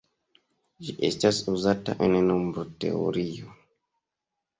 Ĝi estas uzata en nombroteorio.